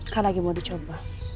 kan lagi mau dicoba